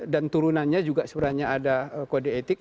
dan turunannya juga sebenarnya ada kode etik